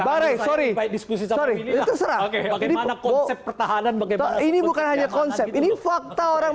bareng sorry sorry bagaimana konsep pertahanan bagaimana ini bukan hanya konsep ini fakta orang